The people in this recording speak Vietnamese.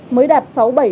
mới đạt sáu mươi bảy ba